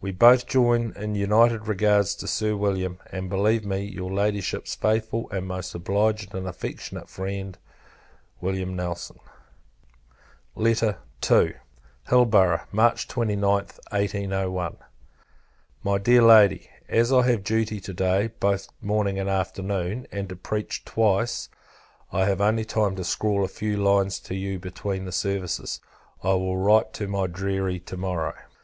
We both join in united regards to Sir William; and believe me, your Ladyship's faithful and most obliged and affectionate friend, Wm. NELSON. II. Hilborough, March 29th, 1801. My Dear Lady, As I have duty to day, both morning and afternoon, and to preach twice, I have only time to scrawl a few lines to you between the services. I will write to my deary to morrow.